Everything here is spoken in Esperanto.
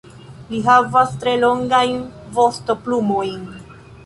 Li havas tre longajn vostoplumojn.